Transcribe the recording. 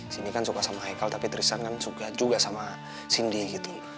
sini kan suka sama haikal tapi trisan kan suka juga sama cindy gitu